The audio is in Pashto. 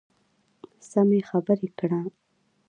سمې خبرې کړه .